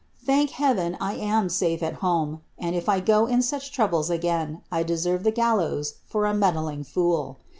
Thank Heaven, I am safe at homf. and if I go in such troubles again, I deserve the gallows for a meddline fool.